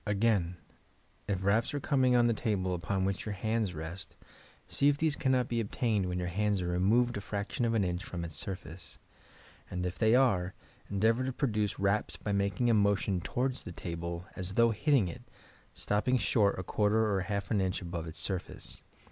Again, if raps are coming on the table upon which your hands rest, see if these can not be obtained when your hands are removed a fraction of an inch from its surface, and if they are, endeavour to produce raps by making a motion towards the table as though hitting it, stopping short a quarter or half an inch above its surface.